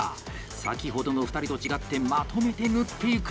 先ほどの２人と違ってまとめて縫っていく！